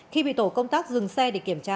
khi bị tổ công tác dừng xe để kiểm tra